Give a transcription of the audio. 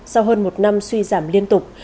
sau hơn một năm suy giảm liên tục